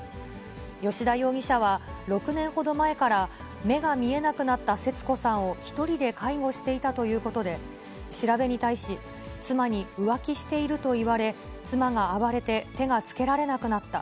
吉田容疑者は、６年ほど前から、目が見えなくなった節子さんを１人で介護していたということで、調べに対し、妻に浮気していると言われ、妻が暴れて手がつけられなくなった。